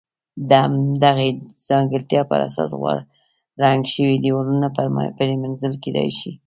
د همدغې ځانګړتیا پر اساس غوړ رنګ شوي دېوالونه پرېمنځل کېدای شي.